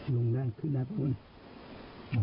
ลงได้ขึ้นได้ปะพ่อเนี่ย